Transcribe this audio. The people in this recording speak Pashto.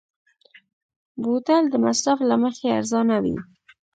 بوتل د مصرف له مخې ارزانه وي.